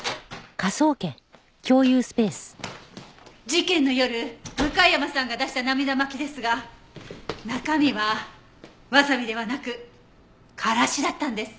事件の夜向山さんが出した涙巻きですが中身はワサビではなくからしだったんです。